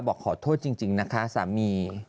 บอกขอโทษจริงนะคะสามี